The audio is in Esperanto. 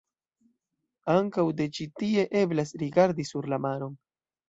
Ankaŭ de ĉi-tie eblas rigardi sur la maron.